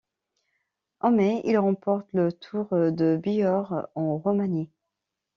En mai, il remporte le Tour de Bihor, en Roumanie.